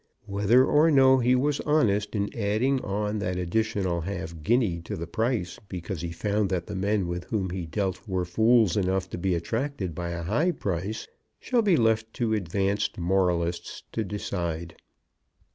Whether or no he was honest in adding on that additional half guinea to the price because he found that the men with whom he dealt were fools enough to be attracted by a high price, shall be left to advanced moralists to decide.